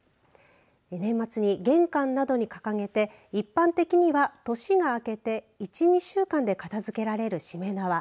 年末に玄関などに掲げて一般的には年が明けて１、２週間で片づけられるしめ縄。